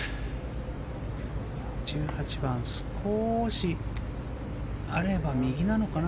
１８番、少しあれば右なのかな